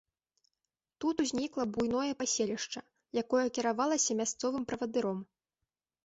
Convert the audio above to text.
Тут узнікла буйное паселішча, якое кіравалася мясцовым правадыром.